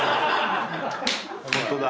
ホントだ。